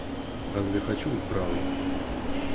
Разве я хочу быть правой!